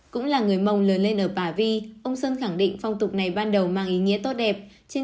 cũng là người mông lớn lên ở bà vi ông sơn khẳng định phong tục này ban đầu mang ý nghĩa tốt đẹp trên